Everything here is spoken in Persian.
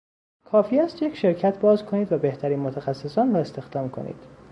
کافی است یک شرکت باز کنید و بهترین متخصصان را استخدام کنید.